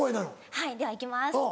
はいでは行きます。